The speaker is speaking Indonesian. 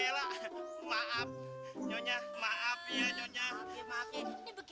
ya allah nyak jangan mati dulu nyak